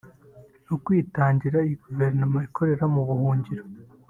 Ni ukwitangira iyi Guverinoma ikorera mu buhungiro